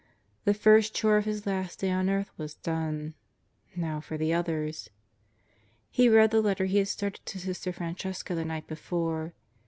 The first chore of his last day on earth was done. Now for the others. He read the letter he had started to Sister Fran cesca the night before.